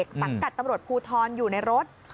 สังกัดตำรวจภูทรอยู่ในรถ